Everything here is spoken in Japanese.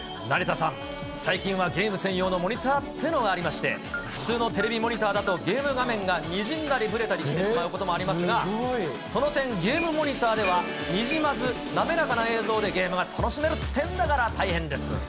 成田さん、最近はゲーム専用のモニターってのがありまして、普通のテレビモニターだと、ゲーム画面がにじんだりぶれたりしてしまうこともありますが、その点、ゲームモニターでは、にじまず滑らかな映像でゲームが楽しめるってんだから大変です。